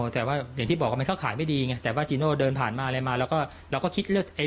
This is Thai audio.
ใช่ครับผมมองว่าตัวนี้แหละคือหัวใจคือถ้าเราจะทำอะไรแบบเดิมอ่ะ